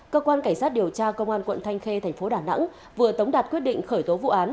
cơ quan cảnh sát điều tra công an quận thanh khê thành phố đà nẵng vừa tống đạt quyết định khởi tố vụ án